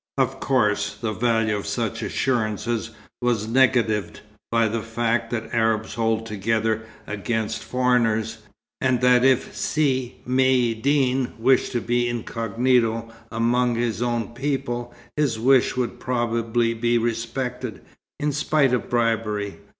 Of course, the value of such assurances was negatived by the fact that Arabs hold together against foreigners, and that if Si Maïeddine wished to be incognito among his own people, his wish would probably be respected, in spite of bribery.